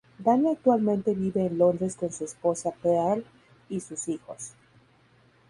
Danny actualmente vive en Londres con su esposa Pearl y sus hijos.